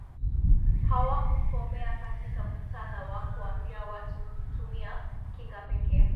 hawakukomea katika muktadha wa kuwaambia watu kutumia kinga pekee